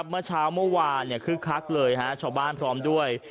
เมื่อเช้าเมื่อวานคึกคักเลยชาวบ้านพร้อมด้วย